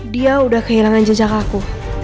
dia udah kehilangan jejak aku